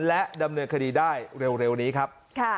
และดำเนินคดีได้เร็วนี้ครับ